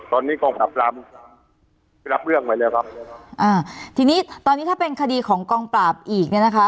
ตอนนี้กองปราบรามรับเรื่องไว้แล้วครับอ่าทีนี้ตอนนี้ถ้าเป็นคดีของกองปราบอีกเนี่ยนะคะ